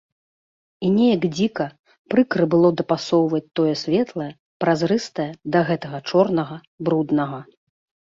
І неяк дзіка, прыкра было дапасоўваць тое светлае, празрыстае да гэтага чорнага, бруднага.